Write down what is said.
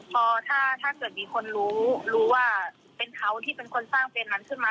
พอถ้าเกิดมีคนรู้รู้ว่าเป็นเขาที่เป็นคนสร้างเฟรนนั้นขึ้นมา